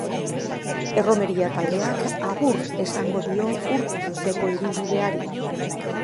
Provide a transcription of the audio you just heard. Erromeria taldeak agur esango dio urte luzeko ibilbideari.